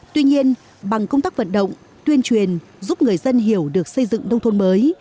tuy nhiên bằng công tác vận động tuyên truyền giúp người dân hiểu được xây dựng nông thôn mới